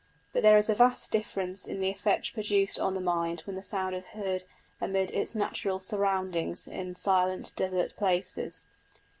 But there is a vast difference in the effect produced on the mind when the sound is heard amid its natural surroundings in silent desert places.